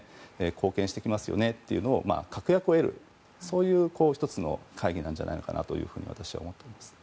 貢献してきますよねという確約を得るそういう１つの会議じゃないかと私は思っています。